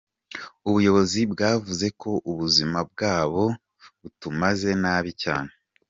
Ubuyobozi bwavuze ko ubuzima bwabo butameze nabi cyane.